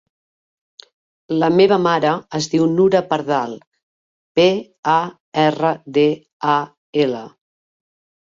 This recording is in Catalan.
La meva mare es diu Nura Pardal: pe, a, erra, de, a, ela.